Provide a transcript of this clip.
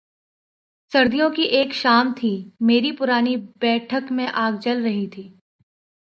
سردیوں کی ایک شام تھی، میری پرانی بیٹھک میں آگ جل رہی تھی۔